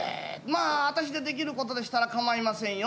まあ私でできることでしたらかまいませんよ。